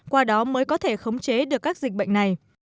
qua đó mới có thể khống chế được các dịch bệnh này